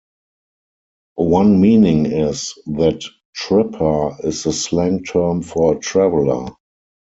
One meaning is that "tripper" is the slang term for a traveler.